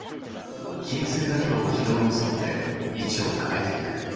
金星だけを軌道に沿って位置を変えていく。